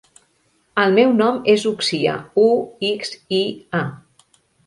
El meu nom és Uxia: u, ics, i, a.